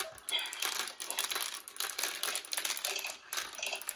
Su poesía fue publicada en "The Harbinger" y "The Dial" entre otras publicaciones.